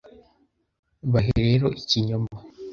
Bahe rero ikinyoma.